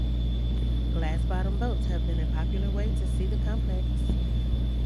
Glass-bottom boats have been a popular way to see the complex.